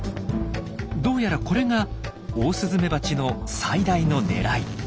どうやらこれがオオスズメバチの最大の狙い。